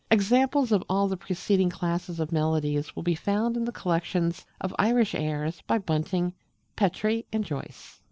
Examples of all the preceding classes of melodies will be found in the collections of Irish airs by Bunting, Petrie, and Joyce.